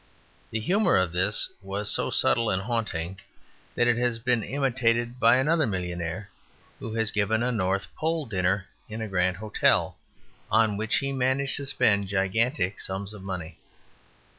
The humour of this was so subtle and haunting that it has been imitated by another millionaire, who has given a North Pole Dinner in a grand hotel, on which he managed to spend gigantic sums of money.